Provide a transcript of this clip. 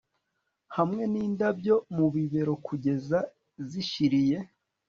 Hamwe nindabyo mu bibero kugeza zishiriye